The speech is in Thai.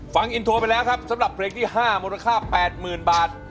ฟังอินโทรไปแล้วครับสำหรับเพลงที่๕มูลค่า๘๐๐๐บาท